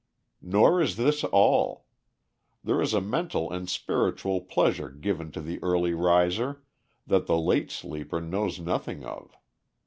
Nor is this all. There is a mental and spiritual pleasure given to the early riser that the late sleeper knows nothing of.